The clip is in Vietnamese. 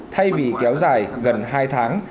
thay vì kéo dài gần hai tháng